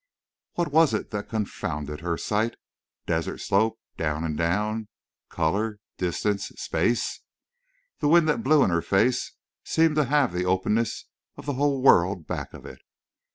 What was it that confounded her sight? Desert slope—down and down—color—distance—space! The wind that blew in her face seemed to have the openness of the whole world back of it.